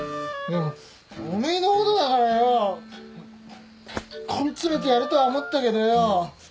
おめえのことだからよ根詰めてやるとは思ったけどよ